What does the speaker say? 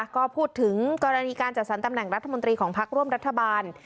ก็พูดถึงกรณีการจัดสรรตำแหน่งรัฐมนตรีของพักร่วมรัฐบาล